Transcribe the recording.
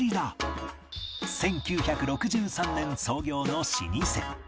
１９６３年創業の老舗